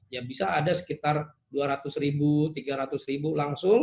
ya bisa ada sekitar dua ratus ribu tiga ratus ribu langsung